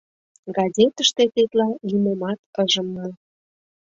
Газетыште тетла нимомат ыжым му.